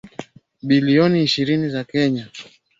bilioni ishirini za Kenya